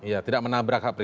ya tidak menabrak hak privat